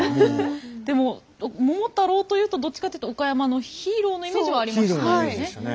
でも桃太郎というとどっちかというと岡山のヒーローのイメージはありましたよね。